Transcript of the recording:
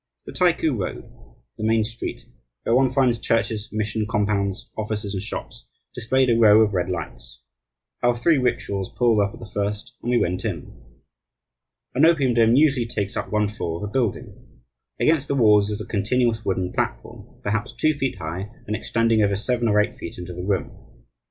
The Taiku Road, the main street, where one finds churches, mission compounds, offices, and shops, displayed a row of red lights. Our three rickshaws pulled up at the first and we went in. An opium den usually takes up one floor of a building. Against the walls is a continuous wooden platform, perhaps two feet high and extending over seven or eight feet into the room.